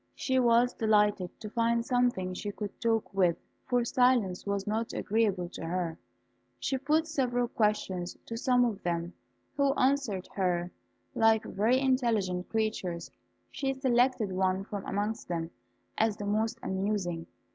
She was delighted to find something she could talk with, for silence was not agreeable to her. She put several questions to some of them, who answered her like very intelligent creatures. She selected one from amongst them as the most amusing.